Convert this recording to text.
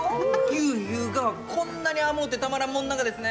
牛ゆうがはこんなに甘うてたまらんもんながですね！